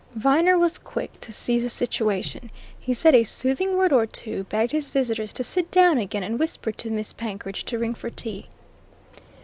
Viner was quick to seize the situation. He said a soothing word or two, begged his visitors to sit down again, and whispered to Miss Penkridge to ring for tea.